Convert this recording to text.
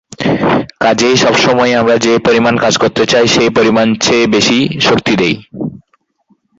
কাজেই সব সময়েই আমরা যে পরিমাণ কাজ করতে চাই সে পরিমাণের চেয়ে বেশি শক্তি দেই।